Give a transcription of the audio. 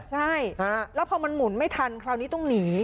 ใช่แล้วพอมันหมุนไม่ทันคราวนี้ต้องหนี